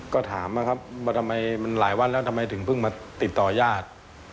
ก็ถามนะครับว่าทำไมมันหลายวันแล้วทำไมถึงเพิ่งมาติดต่อญาติ